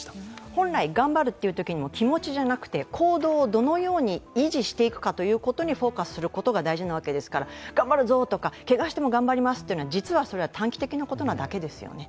本来頑張るというときにも気持ちじゃなくて行動をどのように維持していくかをフォーカスすることが大事なわけですから頑張るぞとか、けがしても頑張りますというのは実は短期的なことですよね。